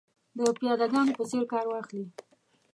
د پیاده ګانو په څېر کار واخلي.